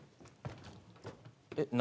えっ何？